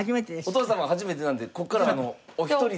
お父様初めてなのでここからお一人で。